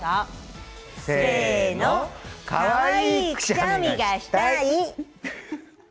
せーのかわいいくしゃみがしたい。